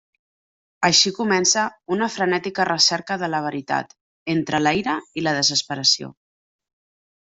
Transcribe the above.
Així comença una frenètica recerca de la veritat, entre la ira i la desesperació.